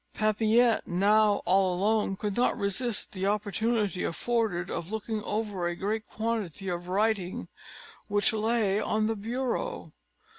Papillette, now all alone, could not resist the opportunity afforded of looking over a great quantity of writing which lay on the bureau.